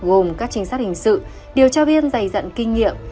gồm các trinh sát hình sự điều tra viên dày dặn kinh nghiệm